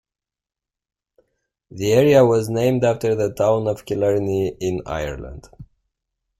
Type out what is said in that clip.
The area was named after the town of Killarney in Ireland.